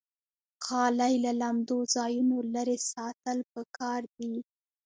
غالۍ له لمدو ځایونو لرې ساتل پکار دي.